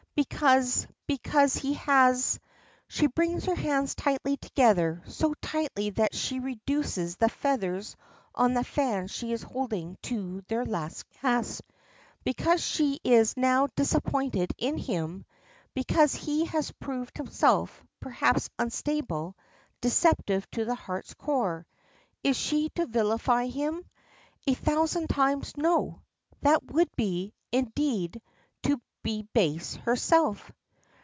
"Because because he has " She brings her hands tightly together, so tightly that she reduces the feathers on the fan she is holding to their last gasp. Because she is now disappointed in him; because he has proved himself, perhaps, unstable, deceptive to the heart's core, is she to vilify, him? A thousand times no! That would be, indeed, to be base herself.